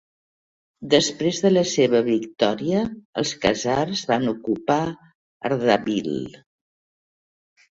Després de la seva victòria, els khazars van ocupar Ardabil.